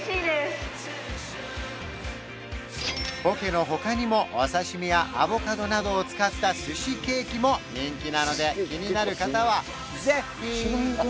ポケの他にもお刺身やアボカドなどを使ったスシケーキも人気なので気になる方はぜひ！